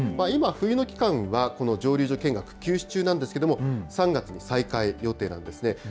今、冬の期間はこの蒸留所見学、休止中なんですけれども、３月に再開予定なんですね。